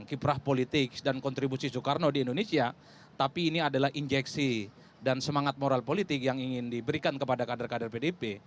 kiprah politik dan kontribusi soekarno di indonesia tapi ini adalah injeksi dan semangat moral politik yang ingin diberikan kepada kader kader pdip